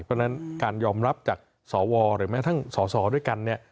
เพราะฉะนั้นการยอมรับจากสวหรือแม้ทั้งสอสอด้วยกันเนี่ย